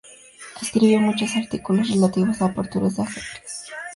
Escribió muchos artículos relativos a aperturas de Ajedrez.